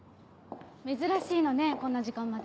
珍しいのねこんな時間まで。